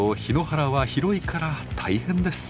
檜原は広いから大変です。